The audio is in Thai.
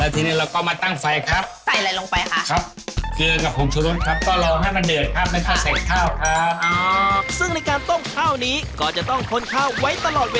ที่นี่เราก็มาตั้งไฟครับครับ